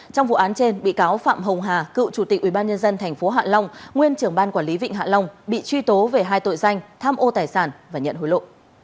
trong vụ án trên bị cáo phạm hồng hà cựu chủ tịch ubnd tp hạ long nguyên trưởng ban quản lý vịnh hạ long bị truy tố về hai tội danh tham ô tài sản và nhận hối lộ